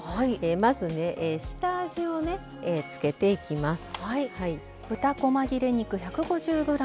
まず、下味を付けていきます。